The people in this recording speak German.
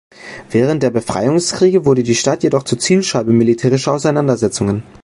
Während der Befreiungskriege wurde die Stadt jedoch zur Zielscheibe militärischer Auseinandersetzungen.